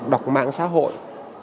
đọc mạng xã hội